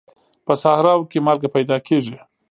په صحراوو کې مالګه پیدا کېږي.